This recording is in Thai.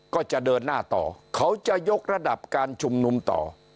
ก็จะเดินหน้าต่อเขาจะยกระดับการชุมนุมต่อ